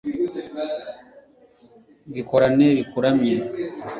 bikorane bikuramye